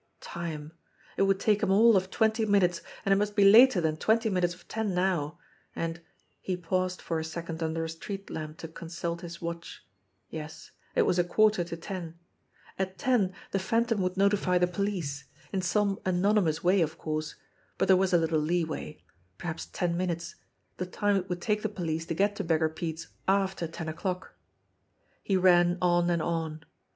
Time ! It would take him all of twenty minutes, and it must be later than twenty minutes of ten now, and he paused for a second under a street lamp to consult his watch yes, it was a quarter to ten. At ten THE PANELLED WALL 125 the Phantom would notify the police in some anonymous way, of course. But there was still a little leeway. Perhaps ten minutes. The time it would take the police to get to Beggar Pete's after ten o'clock. He ran on and on.